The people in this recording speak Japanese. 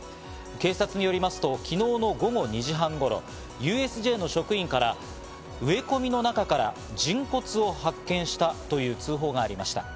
警察によりますと昨日の午後２時半頃、ＵＳＪの職員から植え込みの中から人骨を発見したという通報がありました。